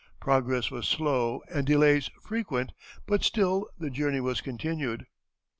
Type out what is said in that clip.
Progress was slow and delays frequent, but still the journey was continued.